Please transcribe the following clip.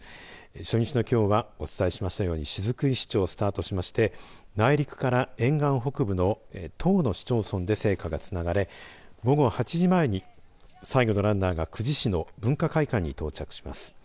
初日のきょうはお伝えしましたように雫石町をスタートしまして内陸から沿岸北部の１０の市町村で聖火がつながれ午後８時前に最後のランナーが久慈市の文化会館に到着します。